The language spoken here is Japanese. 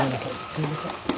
すいません。